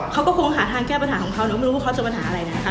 เขาก็คงหาทางแก้ปัญหาของเขาหนูไม่รู้ว่าเขาจะปัญหาอะไรนะคะ